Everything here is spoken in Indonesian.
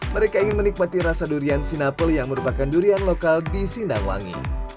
mereka ingin menikmati rasa durian sinapel yang merupakan durian lokal di sindangwangi